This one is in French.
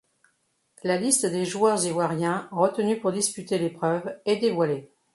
La liste des joueurs ivoiriens retenus pour disputer l'épreuve est dévoilée.